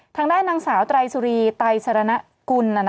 ทางด้านนางสาวไตรสุรีไตรสรณกุล